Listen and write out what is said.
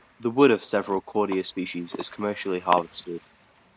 The wood of several "Cordia" species is commercially harvested.